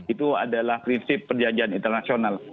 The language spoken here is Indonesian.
itu adalah prinsip perjanjian internasional